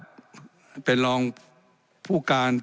และยังเป็นประธานกรรมการอีก